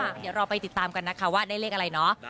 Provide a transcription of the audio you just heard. เดี๋ยวเราไปติดตามกันนะคะว่าได้เลขอะไรเนาะ